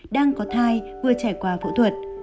đang có thai vừa trải qua phẫu thuật